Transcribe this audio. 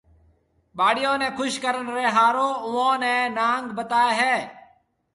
ٻاڙيون ني خوش ڪرڻ ري ۿارو اوئون ني نانگ بتاوي ھيَََ